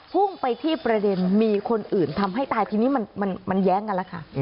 พุ่งไปที่ประเด็นมีคนอื่นทำให้ตายทีนี้มันแย้งกันแล้วค่ะ